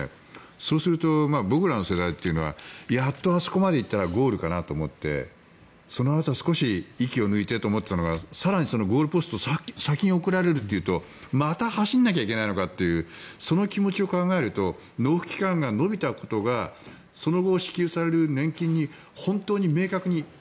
そうすると僕らの世代というのはやっとあそこまで言ったらゴールかなと思ってそのあと少し息を抜いてと思っていたのが更にそのゴールポストを先に送られるというとまた走らなきゃいけないのかというその気持ちを考えると納付期間が延びたことがその後支給される年金に本当に明確に。